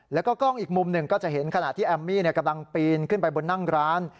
แล้วก็กล้องอีกมุมหนึ่งก็จะเห็นขณะที่แอมมี่กำลังปีนขึ้นไปบนนั่งร้าน